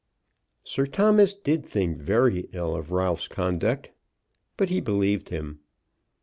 Sir Thomas did think very ill of Ralph's conduct, but he believed him.